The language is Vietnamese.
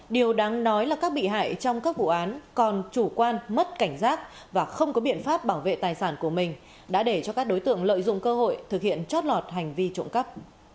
điều đáng nói là các bị hại trong các vụ án còn chủ quan mất cảnh giác và không có biện pháp bảo vệ tài sản của mình đã để cho các đối tượng lợi dụng cơ hội thực hiện chót lọt hành vi trộm cắp